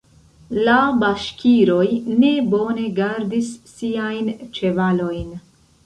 La baŝkiroj ne bone gardis siajn ĉevalojn.